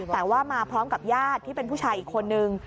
แต่ว่ามาพร้อมกับญาติที่เป็นผู้ชายอีกคนนึง